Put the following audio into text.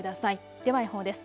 では予報です。